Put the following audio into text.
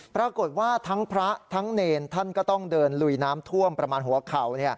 ปรากฏว่าทั้งพระทั้งเนรท่านก็ต้องเดินลุยน้ำท่วมประมาณหัวเข่า